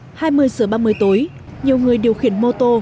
hai mươi giờ ba mươi tối nhiều người điều khiển mô tô